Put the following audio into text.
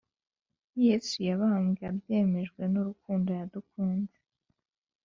Yesu yabambwe abyemejwe nurukundo yadukunze